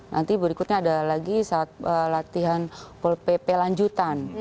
nanti berikutnya ada lagi saat latihan pol pp lanjutan